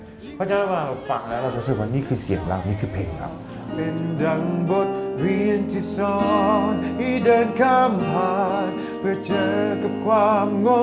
เพราะฉะนั้นเราฟังแล้วเราจะรู้สึกว่านี่คือเสียงเรานี่คือเพลงรัก